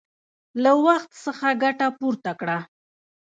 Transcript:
له وخت څخه ګټه پورته کړه!